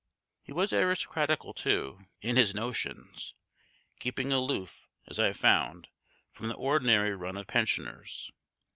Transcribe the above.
He was aristocratical too in his notions, keeping aloof, as I found, from the ordinary run of pensioners.